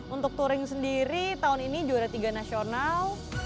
untuk touring sendiri tahun ini juara tiga nasional